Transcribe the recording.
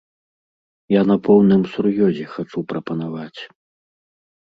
Я на поўным сур'ёзе хачу прапанаваць.